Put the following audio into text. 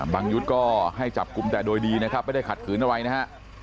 ยุทธ์ก็ให้จับกลุ่มแต่โดยดีนะครับไม่ได้ขัดขืนอะไรนะฮะ